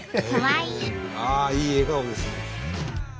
いい笑顔ですね。